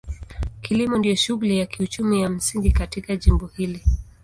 Kilimo ndio shughuli ya kiuchumi ya msingi katika jimbo hili.